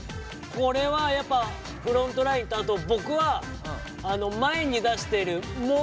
これはやっぱフロントラインとあと僕は前に出してる「もも」もとても。